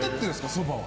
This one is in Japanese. そばは。